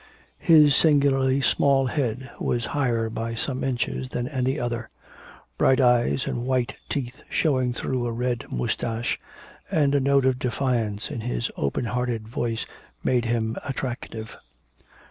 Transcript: His singularly small head was higher by some inches than any other, bright eyes, and white teeth showing through a red moustache, and a note of defiance in his open hearted voice made him attractive.